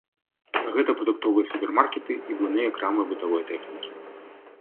Гэта прадуктовыя супермаркеты і буйныя крамы бытавой тэхнікі.